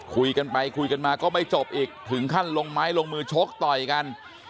คุยกันไปคุยกันมาก็ไม่จบอีกถึงขั้นลงไม้ลงมือชกต่อยกัน